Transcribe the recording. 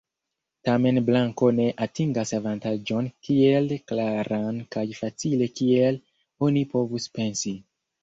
Tamen blanko ne atingas avantaĝon tiel klaran kaj facile kiel oni povus pensi.